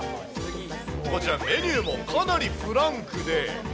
こちら、メニューもかなりフランクで。